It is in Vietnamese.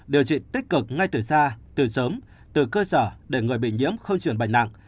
điều trị tích cực ngay từ xa từ sớm từ cơ sở để người bị nhiễm khơi chuyển bệnh nặng